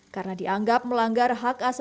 karena dianggap melanggar hak asasi manusia